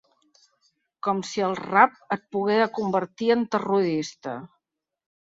Com si el rap et poguera convertir en terrorista.